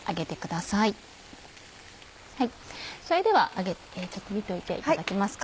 それではちょっと見ておいていただけますか？